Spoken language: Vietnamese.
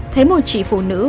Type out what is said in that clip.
thấy một chị phụ nữ